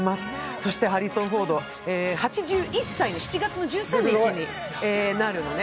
そして、ハリソン・フォード、８１歳に７月１３日になるのね。